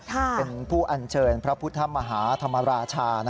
เป็นผู้อัญเชิญพระพุทธมหาธรรมราชา